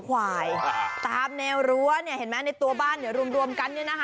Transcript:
หัวภาพแนวเห็นไหมในตัวบ้านรวมกัน